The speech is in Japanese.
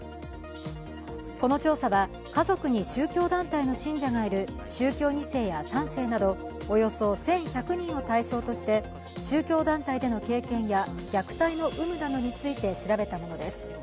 この調査は、家族に宗教団体の信者がいる宗教２世や３世などおよそ１１００人を対象として宗教団体での経験や虐待の有無などについて調べたものです。